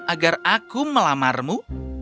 agar aku melamarmu